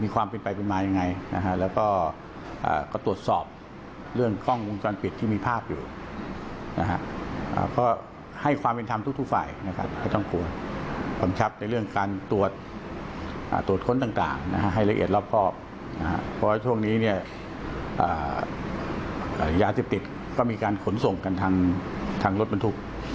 ขนส่งกันทางรถบรรทุก